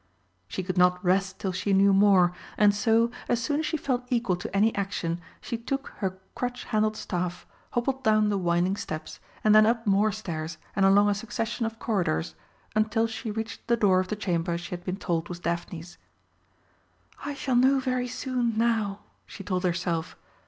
She could not rest till she knew more, and so, as soon as she felt equal to any action, she took her crutch handled staff, hobbled down the winding steps, and then up more stairs and along a succession of corridors, until she reached the door of the chamber she had been told was Daphne's. "I shall know very soon now!" she told herself.